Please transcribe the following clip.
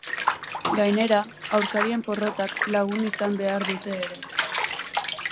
Gainera, aurkarien porrotak lagun izan behar dute ere.